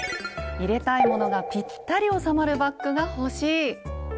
入れたいものがぴったり収まるバッグが欲しい！